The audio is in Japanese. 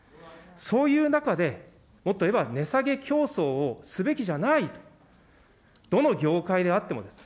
そういう中で、もっと言えば値下げ競争をすべきじゃないと、どの業界であってもです。